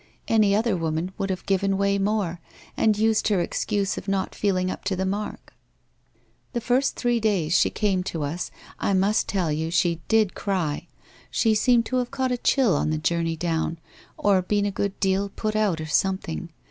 Any other woman would have given way more and used her excuse of not feeling up to the mark. The first three days she came to us, I must tell you, she did cry, she seemed to have caught a chill on the journey down or been a good deal put out or some thing.